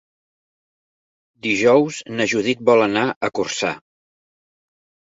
Dijous na Judit vol anar a Corçà.